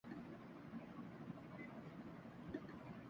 شادی شدہ خواتین اپنے بارے میں سوچنا بھول جاتی ہیں